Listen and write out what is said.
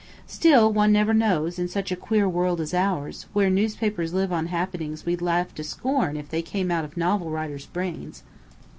Still, one never knows, in such a queer world as ours, where newspapers live on happenings we'd laugh to scorn if they came out of novel writers' brains."